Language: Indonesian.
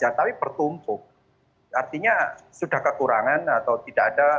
atau tidak ada